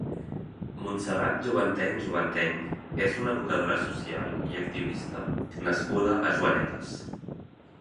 Montserrat Juvanteny Juvanteny és una educadora social i activista nascuda a Joanetes.